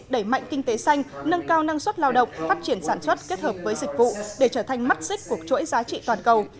đẩy mạnh kinh tế xanh nâng cao năng suất lao động phát triển sản xuất kết hợp với dịch vụ để trở thành mắt xích của chuỗi giá trị toàn cầu